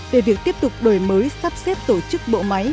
về việc tiếp tục đổi mới sắp xếp tổ chức bộ máy